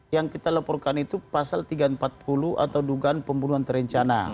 yang kita laporkan itu pasal tiga ratus empat puluh atau dugaan pembunuhan terencana